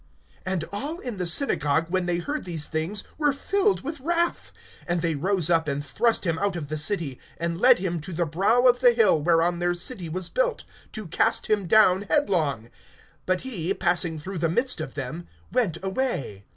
(28)And all in the synagogue, when they heard these things, were filled with wrath. (29)And they rose up, and thrust him out of the city, and led him to the brow of the hill whereon their city was built, to cast him down headlong. (30)But he, passing through the midst of them, went away.